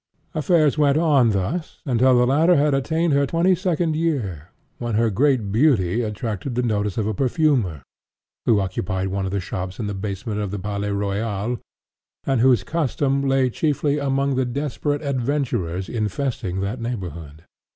Affairs went on thus until the latter had attained her twenty second year, when her great beauty attracted the notice of a perfumer, who occupied one of the shops in the basement of the Palais Royal, and whose custom lay chiefly among the desperate adventurers infesting that neighborhood.